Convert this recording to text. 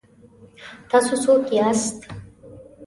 تاسو څوک یاست؟